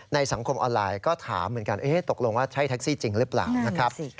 สังคมออนไลน์ก็ถามเหมือนกันตกลงว่าใช่แท็กซี่จริงหรือเปล่านะครับ